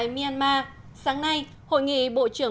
myanmar sáng nay hội nghị bộ trưởng